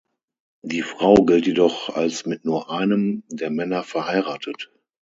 Die Frau gilt jedoch als mit nur einem der Männer verheiratet.